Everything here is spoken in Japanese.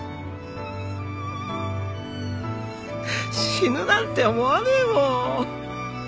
死ぬなんて思わねえもん。